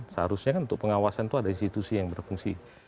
seharusnya kan untuk pengawasan itu ada institusi yang berfungsi